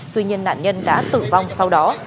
tuy nhiên nạn nhân đã tử vong sau đó